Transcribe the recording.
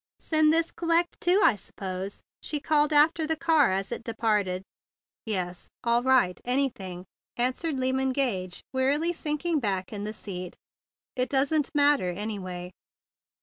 "Send this c'lect too, I s'pose," she called after the car as it departed. "Yes, all right, anything," answered Lyman Gage, wearily sinking back in the seat. "It doesn't matter, anyway."